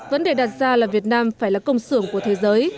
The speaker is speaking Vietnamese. vấn đề đặt ra là việt nam phải là công xưởng của thế giới